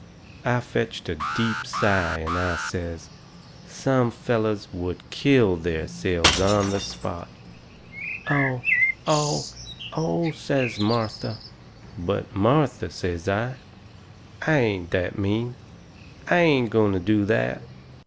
I fetched a deep sigh and I says: "Some fellers would kill theirselves on the spot!" "Oh! Oh! Oh! " says Martha. "But, Martha," says I, "I ain't that mean. I ain't going to do that."